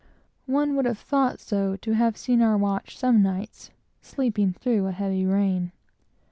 One would have thought so, to have seen our watch, some nights, sleeping through a heavy rain.